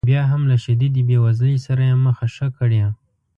بیا هم له شدیدې بې وزلۍ سره یې مخه ښه کړې.